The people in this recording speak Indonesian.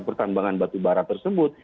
pertambangan batu bara tersebut